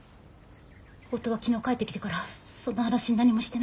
夫は昨日帰ってきてからそんな話何もしてなかったし。